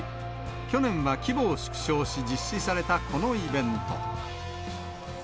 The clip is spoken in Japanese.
去年は規模を縮小し、実施されたこのイベント。